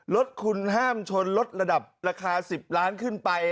รถคุณห้ามชนรถระดับราคา๑๐๐๐๐๐๐๐บาทขึ้น